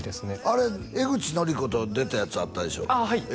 あれ江口のりこと出たやつあったでしょああはい